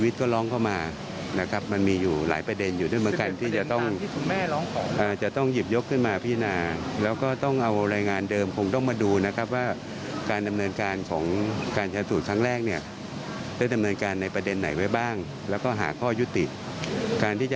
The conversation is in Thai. ถ้าไม่มีการตรวจทางแหลปในห้องปฏิบัติการ